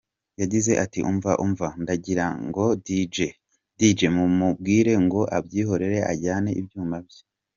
Yagize ati “Umva, umva, ndagira ngo Dj mumubwire ngo abyihorere ajyane ibyuma bye.